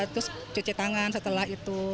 terus cuci tangan setelah itu